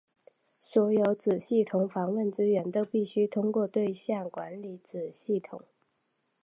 所有子系统访问资源都必须通过对象管理子系统。